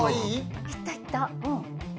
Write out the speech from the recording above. いったいったうん。